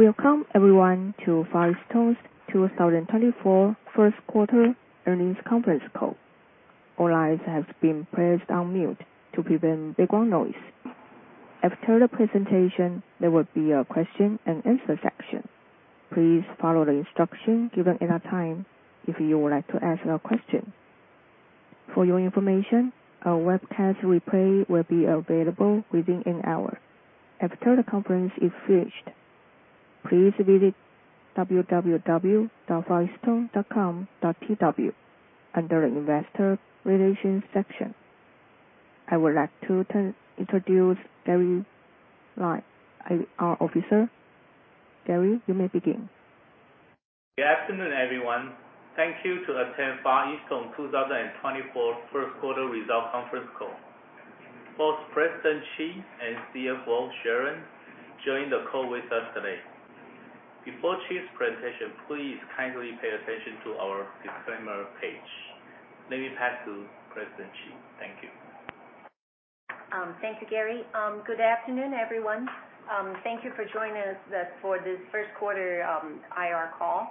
Welcome, everyone, to Far EasTone's 2024 first quarter earnings conference call. All lines have been placed on mute to prevent background noise. After the presentation, there will be a question-and-answer section. Please follow the instructions given at that time if you would like to ask a question. For your information, a webcast replay will be available within an hour. After the conference is finished, please visit www.fareastone.com.tw under the Investor Relations section. I would like to introduce Gary Lai, our officer. Gary, you may begin. Good afternoon, everyone. Thank you to attend Far EasTone 2024 first quarter results conference call. Both President Chee and CFO Sharon joined the call with us today. Before Chee's presentation, please kindly pay attention to our disclaimer page. Let me pass to President Chee. Thank you. Thank you, Gary. Good afternoon, everyone. Thank you for joining us for this first quarter IR call.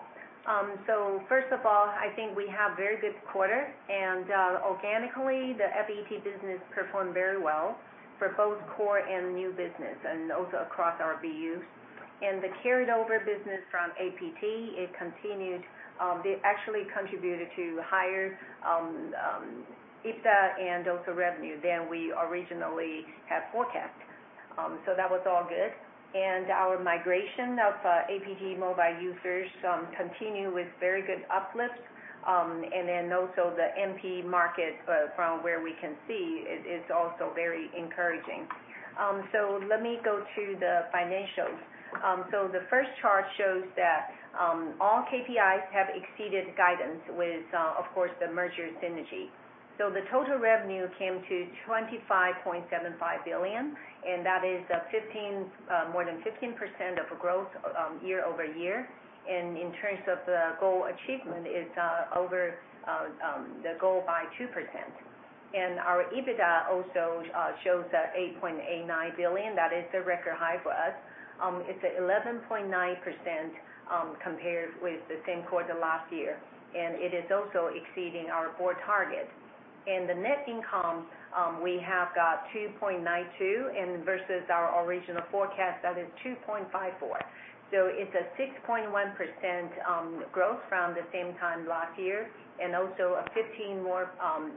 First of all, I think we have a very good quarter, and organically, the FET business performed very well for both core and new business, and also across our BUs. The carried-over business from APT, it continued. It actually contributed to higher EBITDA and also revenue than we originally had forecast. That was all good. Our migration of APT mobile users continued with very good uplifts, and then also the NP market from where we can see is also very encouraging. Let me go to the financials. The first chart shows that all KPIs have exceeded guidance with, of course, the merger synergy. The total revenue came to 25.75 billion, and that is more than 15% of growth year-over-year. In terms of the goal achievement, it's over the goal by 2%. Our EBITDA also shows 8.89 billion. That is a record high for us. It's 11.9% compared with the same quarter last year, and it is also exceeding our board target. The net income, we have got 2.92 versus our original forecast. That is 2.54. So it's 6.1% growth from the same time last year, and also 15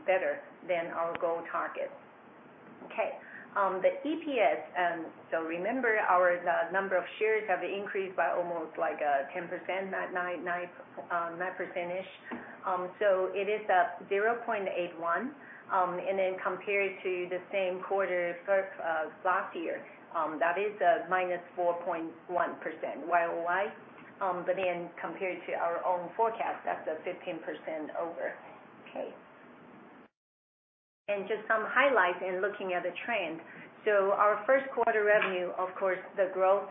better than our goal target. Okay. The EPS, so remember our number of shares have increased by almost like 10%, 9%-ish. So it is 0.81, and then compared to the same quarter last year, that is -4.1%. Why? But then compared to our own forecast, that's 15% over. Okay. Just some highlights and looking at the trend. So our first quarter revenue, of course, the growth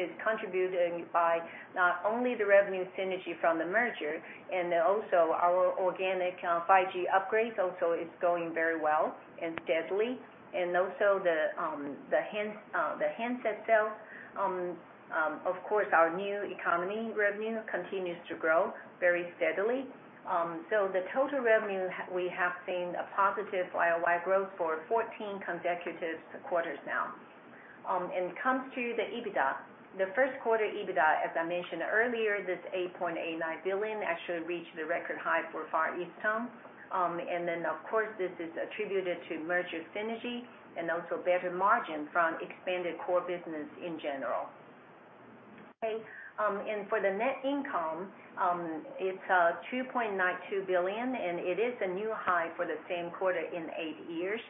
is contributed by not only the revenue synergy from the merger and also our organic 5G upgrades also is going very well and steadily. And also the handset sales, of course, our new economy revenue continues to grow very steadily. So the total revenue, we have seen a positive year-over-year growth for 14 consecutive quarters now. And it comes to the EBITDA. The first quarter EBITDA, as I mentioned earlier, this 8.89 billion actually reached the record high for Far EasTone. And then, of course, this is attributed to merger synergy and also better margin from expanded core business in general. Okay. And for the net income, it's 2.92 billion, and it is a new high for the same quarter in eight years.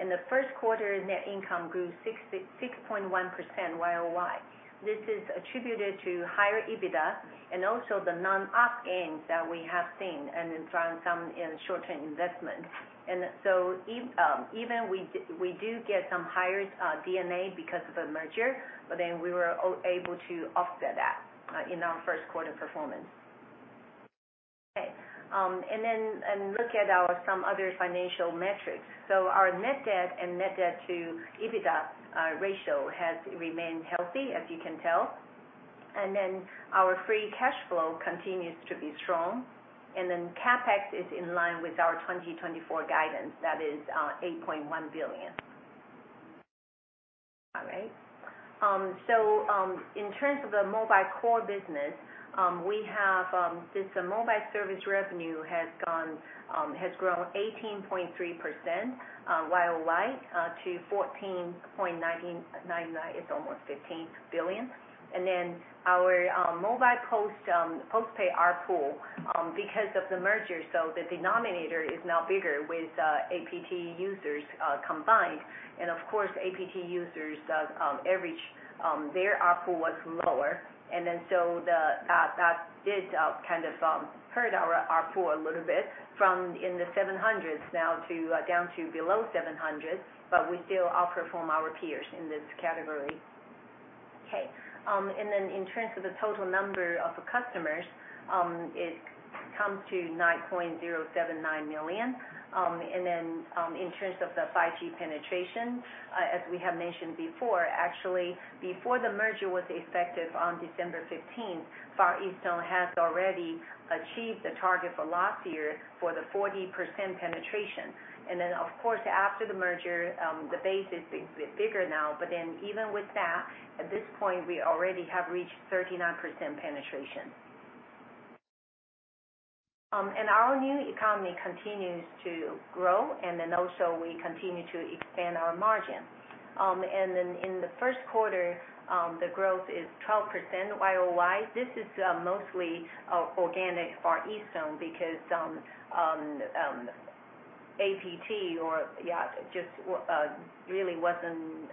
In the first quarter, net income grew 6.1% year-over-year. This is attributed to higher EBITDA and also the non-op gains that we have seen from some short-term investments. Even we do get some higher D&A because of the merger, but then we were able to offset that in our first quarter performance. Okay. Look at some other financial metrics. Our net debt and net debt to EBITDA ratio has remained healthy, as you can tell. Our free cash flow continues to be strong. CapEx is in line with our 2024 guidance. That is 8.1 billion. All right. In terms of the mobile core business, this mobile service revenue has grown 18.3% year-over-year to 14.99 billion. It's almost 15 billion. Our mobile postpaid ARPU, because of the merger, so the denominator is now bigger with APT users combined. Of course, APT users' average, their ARPU was lower. And then so that did kind of hurt our ARPU a little bit from the 700s now down to below 700, but we still outperform our peers in this category. Okay. And then in terms of the total number of customers, it comes to 9.079 million. And then in terms of the 5G penetration, as we have mentioned before, actually, before the merger was effective on December 15th, Far EasTone has already achieved the target for last year for the 40% penetration. And then, of course, after the merger, the base is bigger now. But then even with that, at this point, we already have reached 39% penetration. And our new economy continues to grow, and then also we continue to expand our margin. And then in the first quarter, the growth is 12% year-over-year. This is mostly organic Far EasTone because APT, yeah, just really wasn't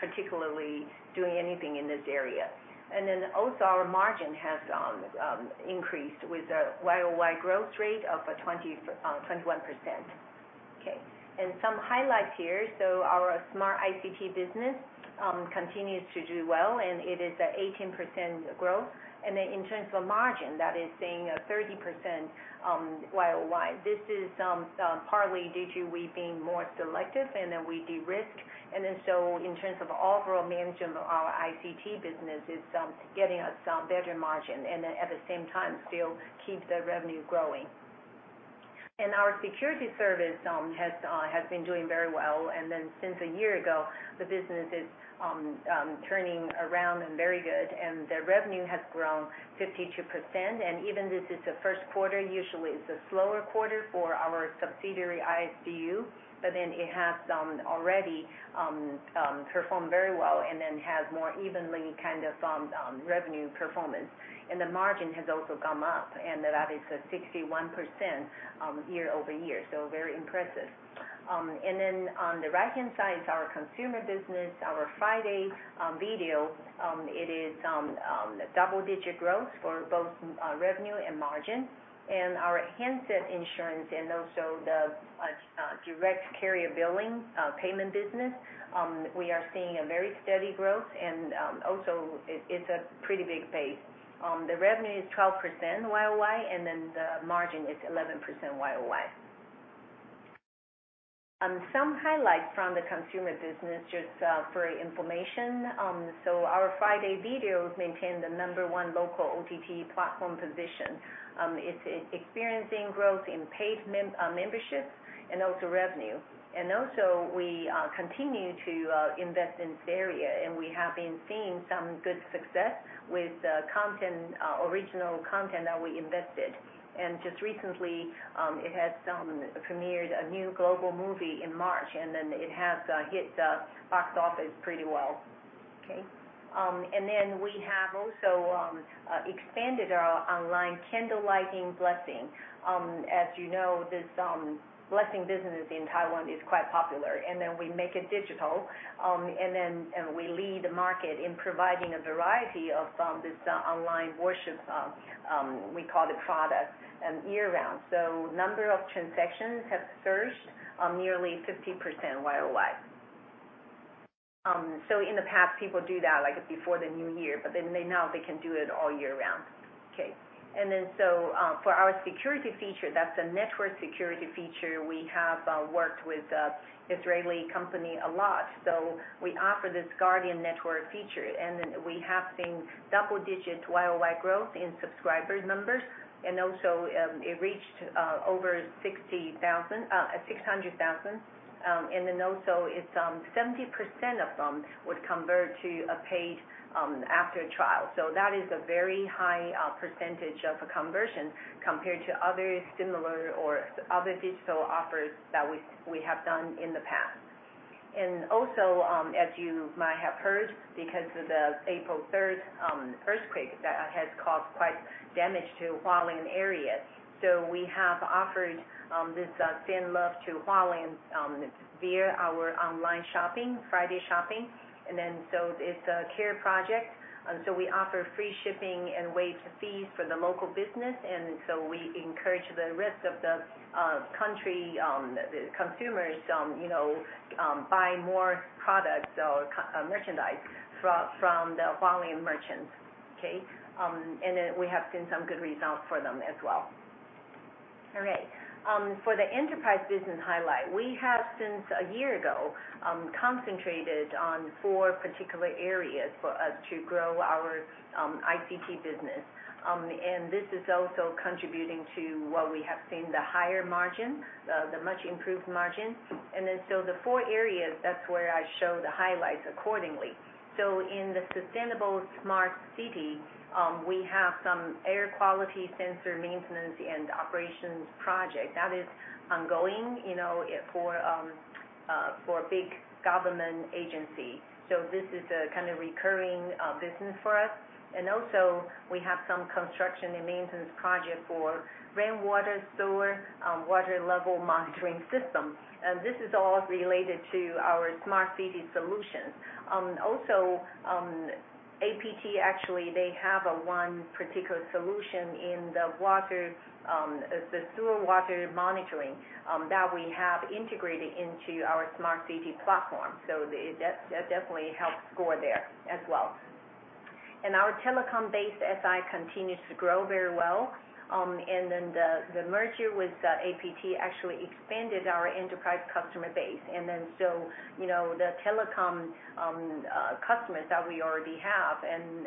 particularly doing anything in this area. And then also our margin has increased with a year-over-year growth rate of 21%. Okay. And some highlights here. So our smart ICT business continues to do well, and it is 18% growth. And then in terms of margin, that is saying 30% year-over-year. This is partly due to we being more selective and then we de-risk. And then so in terms of overall management of our ICT business, it's getting us better margin and then at the same time still keep the revenue growing. And our security service has been doing very well. And then since a year ago, the business is turning around and very good, and the revenue has grown 52%. Even this is the first quarter, usually it's a slower quarter for our subsidiary ISSDU, but then it has already performed very well and then has more evenly kind of revenue performance. The margin has also gone up, and that is 61% year-over-year, so very impressive. Then on the right-hand side is our consumer business, our friDay Video. It is double-digit growth for both revenue and margin. Our handset insurance and also the direct carrier billing payment business, we are seeing a very steady growth, and also it's a pretty big pace. The revenue is 12% year-over-year, and then the margin is 11% year-over-year. Some highlights from the consumer business, just for information. Our friDay Video maintains the number one local OTT platform position. It's experiencing growth in paid memberships and also revenue. And also we continue to invest in this area, and we have been seeing some good success with the original content that we invested. And just recently, it has premiered a new global movie in March, and then it has hit the box office pretty well. Okay. And then we have also expanded our online candle lighting blessing. As you know, this blessing business in Taiwan is quite popular, and then we make it digital, and then we lead the market in providing a variety of this online worship, we call it, product year-round. So number of transactions have surged nearly 50% year-over-year. So in the past, people do that before the new year, but then now they can do it all year round. Okay. And then so for our security feature, that's a network security feature. We have worked with an Israeli company a lot, so we offer this Guardian Network feature. And then we have seen double-digit year-over-year growth in subscriber numbers, and also it reached over 600,000. And then also it's 70% of them would convert to a paid after-trial. So that is a very high percentage of a conversion compared to other similar or other digital offers that we have done in the past. And also, as you might have heard, because of the April 3rd earthquake that has caused quite damage to Hualien area, so we have offered this send love to Hualien via our online shopping, friDay Shopping. And then so it's a care project. So we offer free shipping and waived fees for the local business, and so we encourage the rest of the country consumers to buy more products or merchandise from the Hualien merchants. Okay. And then we have seen some good results for them as well. All right. For the enterprise business highlight, we have since a year ago concentrated on four particular areas for us to grow our ICT business. And this is also contributing to what we have seen, the higher margin, the much improved margin. And then so the four areas, that's where I show the highlights accordingly. So in the sustainable smart city, we have some air quality sensor maintenance and operations project. That is ongoing for a big government agency. So this is a kind of recurring business for us. And also we have some construction and maintenance project for rainwater store, water level monitoring system. And this is all related to our smart city solutions. Also, APT, actually, they have one particular solution in the sewer water monitoring that we have integrated into our smart city platform. So that definitely helps score there as well. Our telecom-based SI continues to grow very well. The merger with APT actually expanded our enterprise customer base. So the telecom customers that we already have and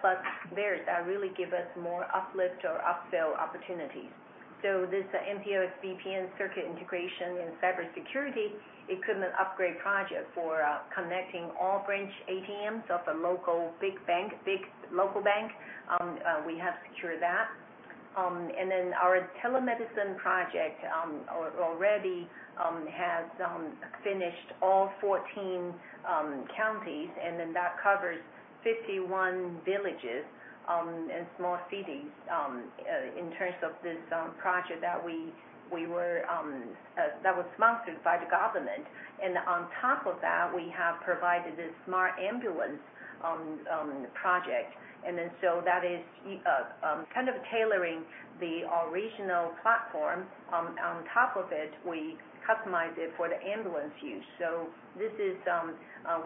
plus theirs really give us more uplift or upsell opportunities. So this MPLS VPN circuit integration in cybersecurity, equipment upgrade project for connecting all branch ATMs of a local big bank, we have secured that. Our telemedicine project already has finished all 14 counties, and that covers 51 villages and small cities in terms of this project that was sponsored by the government. On top of that, we have provided this smart ambulance project. So that is kind of tailoring the original platform. On top of it, we customize it for the ambulance use. So,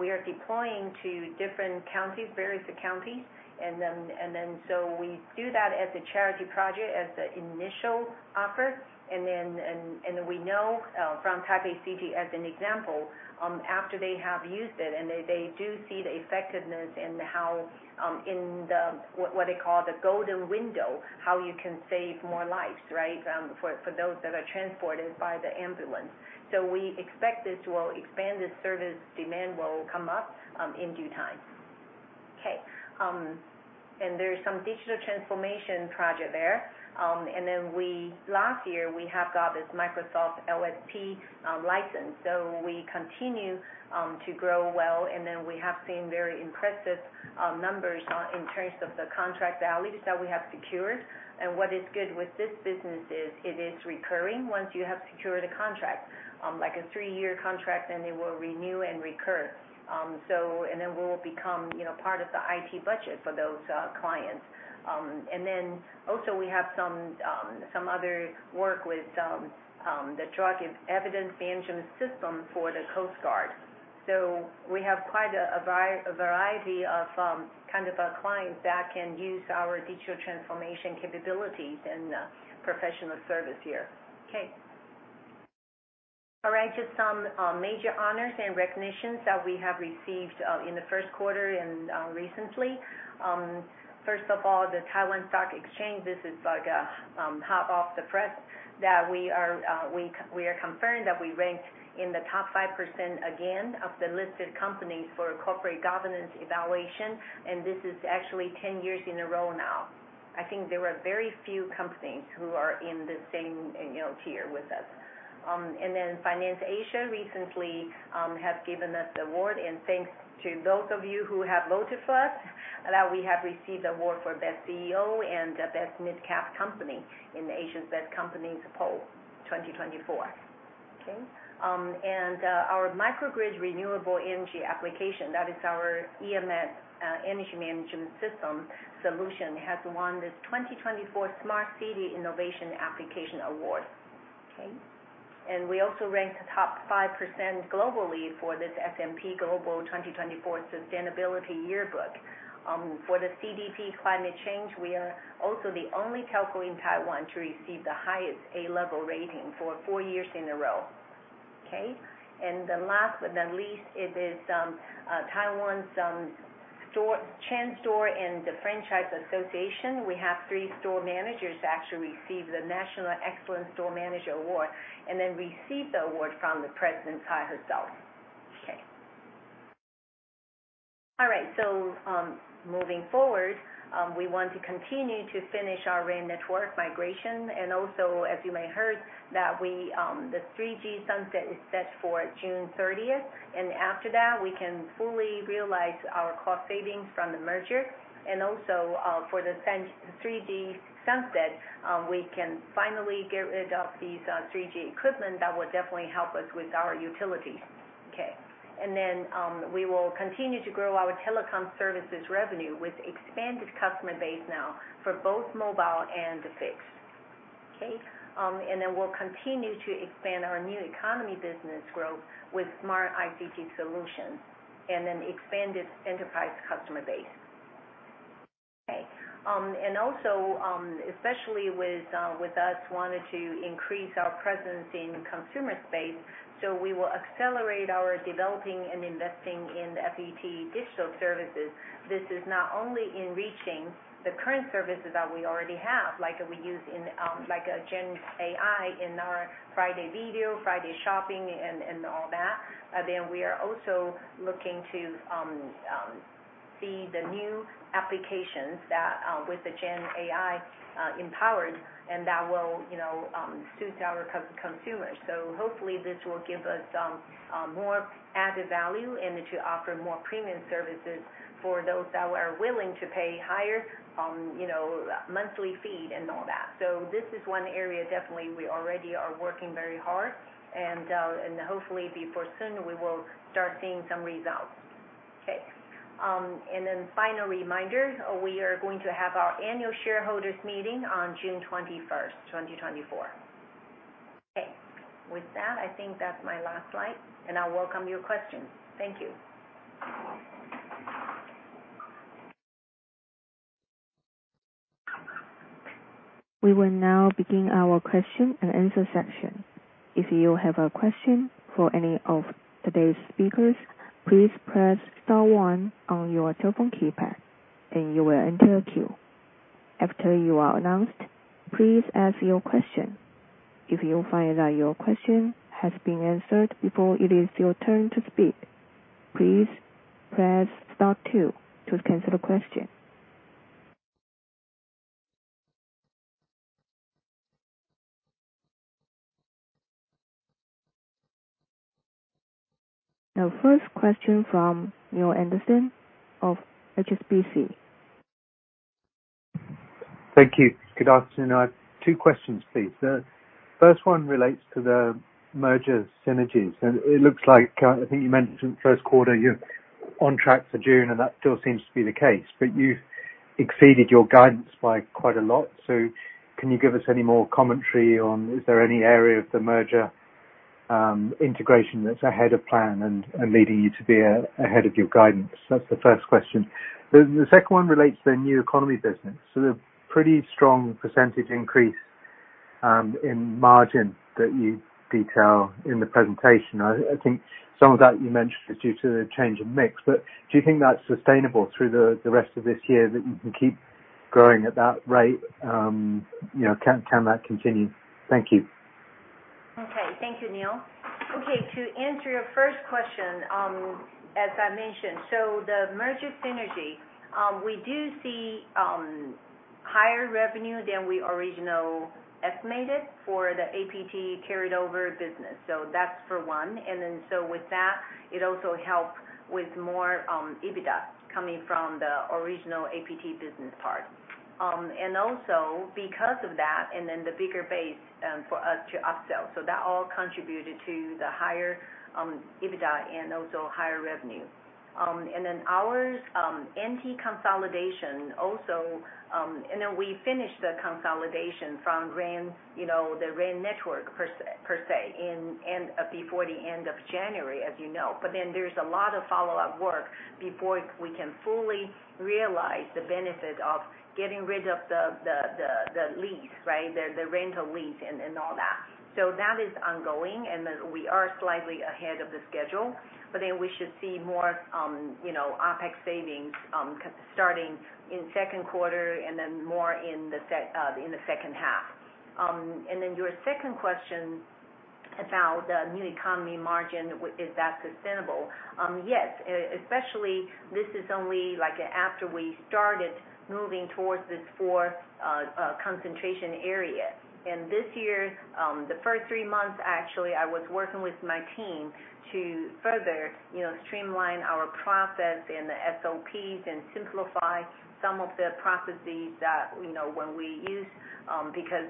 we are deploying to different counties, various counties. And then, so we do that as a charity project, as an initial offer. And then we know from Taipei City as an example, after they have used it and they do see the effectiveness and how, in what they call the golden window, how you can save more lives, right, for those that are transported by the ambulance. So we expect this will expand. This service demand will come up in due time. Okay. And there's some digital transformation project there. And then last year, we have got this Microsoft LSP license. So we continue to grow well, and then we have seen very impressive numbers in terms of the contract values that we have secured. And what is good with this business is it is recurring once you have secured a contract, like a three-year contract, and it will renew and recur. And then we will become part of the IT budget for those clients. And then also we have some other work with the drug evidence management system for the Coast Guard. So we have quite a variety of kind of clients that can use our digital transformation capabilities and professional service here. Okay. All right. Just some major honors and recognitions that we have received in the first quarter and recently. First of all, the Taiwan Stock Exchange, this is like hot off the press that we are confirmed that we ranked in the top 5% again of the listed companies for corporate governance evaluation. And this is actually 10 years in a row now. I think there are very few companies who are in the same tier with us. And then FinanceAsia recently has given us the award. And thanks to those of you who have voted for us that we have received the award for Best CEO and Best Mid-Cap Company in Asia's Best Companies poll 2024. Okay. And our microgrid renewable energy application, that is our EMS energy management system solution, has won this 2024 Smart City Innovation Application Award. Okay. And we also ranked the top 5% globally for this S&P Global 2024 Sustainability Yearbook. For the CDP Climate Change, we are also the only telco in Taiwan to receive the highest A-level rating for four years in a row. Okay. And the last but not least, it is Taiwan's Chain Store and Franchise Association. We have three store managers actually receive the National Excellence Store Manager Award and then receive the award from the President Chee Ching herself. Okay. All right. So moving forward, we want to continue to finish our RAN network migration. And also, as you may have heard, that the 3G sunset is set for June 30th. And after that, we can fully realize our cost savings from the merger. And also for the 3G sunset, we can finally get rid of these 3G equipment that will definitely help us with our utilities. Okay. And then we will continue to grow our telecom services revenue with expanded customer base now for both mobile and fixed. Okay. And then we'll continue to expand our new economy business growth with smart ICT solutions and then expanded enterprise customer base. Okay. And also, especially with us, wanted to increase our presence in consumer space. So we will accelerate our developing and investing in FET digital services. This is not only in reaching the current services that we already have, like we use in like a Gen AI in our friDay Video, friDay shopping, and all that. Then we are also looking to see the new applications that with the Gen AI empowered and that will suit our consumers. So hopefully, this will give us more added value and to offer more premium services for those that are willing to pay higher monthly fees and all that. So this is one area definitely we already are working very hard. And hopefully, before soon, we will start seeing some results. Okay. And then final reminder, we are going to have our annual shareholders' meeting on June 21st, 2024. Okay. With that, I think that's my last slide, and I'll welcome your questions. Thank you. We will now begin our question and answer section. If you have a question for any of today's speakers, please press star one on your telephone keypad, and you will enter a queue. After you are announced, please ask your question. If you find that your question has been answered before it is your turn to speak, please press star two to cancel the question. Now, first question from Neil Anderson of HSBC. Thank you. Good afternoon. Two questions, please. The first one relates to the merger synergies. And it looks like I think you mentioned first quarter you're on track for June, and that still seems to be the case. But you've exceeded your guidance by quite a lot. So can you give us any more commentary on, is there any area of the merger integration that's ahead of plan and leading you to be ahead of your guidance? That's the first question. The second one relates to the new economy business. So the pretty strong percentage increase in margin that you detail in the presentation. I think some of that you mentioned is due to the change in mix. But do you think that's sustainable through the rest of this year that you can keep growing at that rate? Can that continue? Thank you. Okay. Thank you, Neil. Okay. To answer your first question, as I mentioned, so the merger synergy, we do see higher revenue than we originally estimated for the APT carried-over business. So that's for one. And then so with that, it also helped with more EBITDA coming from the original APT business part. And also because of that, and then the bigger base for us to upsell. So that all contributed to the higher EBITDA and also higher revenue. And then our RAN consolidation also and then we finished the consolidation from the RAN network per se before the end of January, as you know. But then there's a lot of follow-up work before we can fully realize the benefit of getting rid of the lease, right, the rental lease and all that. So that is ongoing, and we are slightly ahead of the schedule. But then we should see more OpEx savings starting in second quarter and then more in the second half. And then your second question about the new economy margin, is that sustainable? Yes. Especially, this is only after we started moving towards this four-concentration area. And this year, the first three months, actually, I was working with my team to further streamline our process and the SOPs and simplify some of the processes that we use because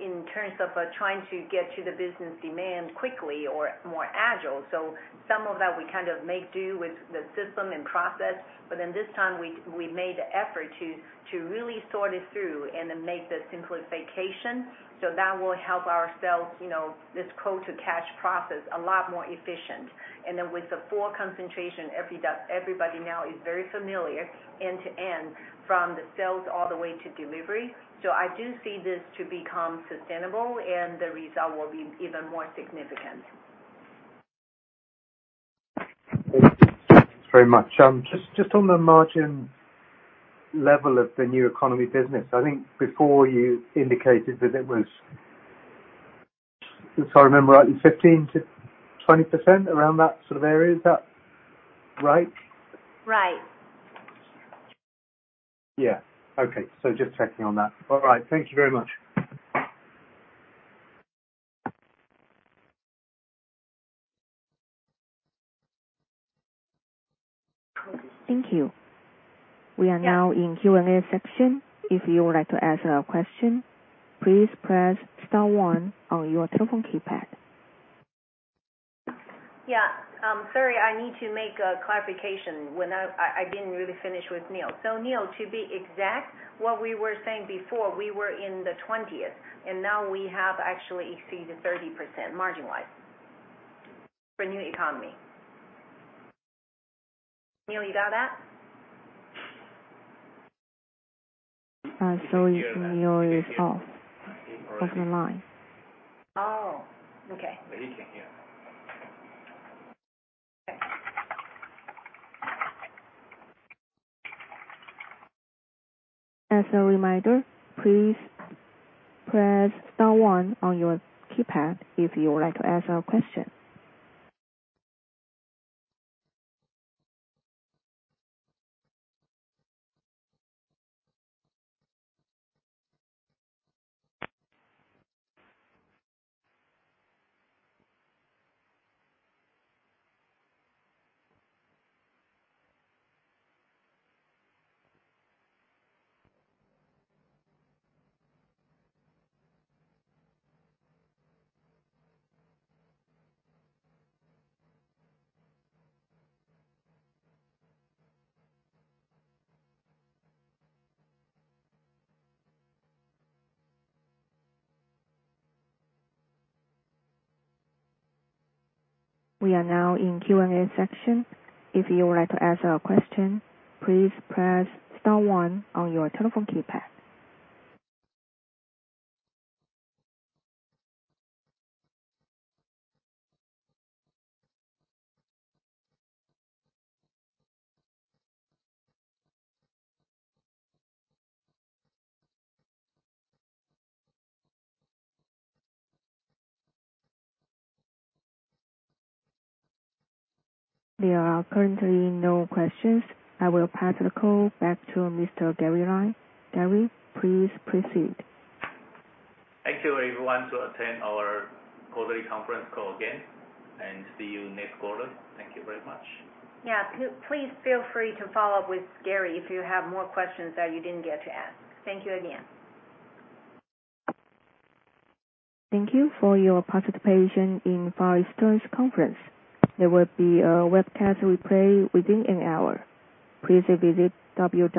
in terms of trying to get to the business demand quickly or more agile. So some of that we kind of make do with the system and process. But then this time, we made the effort to really sort it through and then make the simplification. So that will help ourselves, this quote, "to cash process," a lot more efficient. And then with the four-concentration, everybody now is very familiar end to end from the sales all the way to delivery. So I do see this to become sustainable, and the result will be even more significant. Thank you very much. Just on the margin level of the new economy business, I think before you indicated that it was, if I remember rightly, 15%-20%, around that sort of area. Is that right? Right. Yeah. Okay. So just checking on that. All right. Thank you very much. Thank you. We are now in Q&A section. If you would like to ask a question, please press star one on your telephone keypad. Yeah. Sorry, I need to make a clarification. I didn't really finish with Neil. So Neil, to be exact, what we were saying before, we were in the 20th, and now we have actually exceeded 30% margin-wise for new economy. Neil, you got that? Sorry. Neil is off of the line. Oh. Okay. But he can hear. Okay. As a reminder, please press star one on your keypad if you would like to ask a question. We are now in Q&A section. If you would like to ask a question, please press star one on your telephone keypad. There are currently no questions. I will pass the call back to Mr. Gary Lai. Gary, please proceed. Thank you, everyone, to attend our quarterly conference call again and see you next quarter. Thank you very much. Yeah. Please feel free to follow up with Gary if you have more questions that you didn't get to ask. Thank you again. Thank you for your participation in Far EasTone's conference. There will be a webcast replay within an hour. Please visit www.